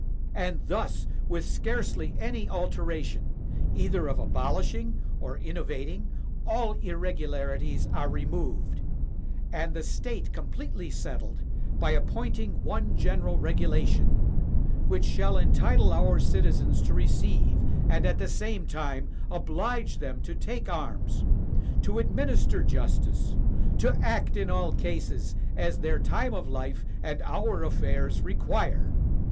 And thus, with scarcely any altera tion, either of abolishing or innovating, all irregularities are removed, and the state completely settled, by appointing one general regulation, which shall entitle our citizens to receive, and at the same time oblige them to take arms, to administer justice, to act in all cases as their time of Hfe and our affairs require.